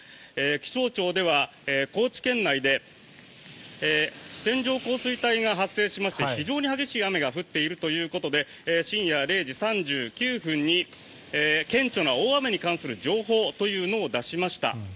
気象庁では、高知県内で線状降水帯が発生しまして非常に激しい雨が降っているということで深夜０時３９分に顕著な大雨に関する情報というのを出しました。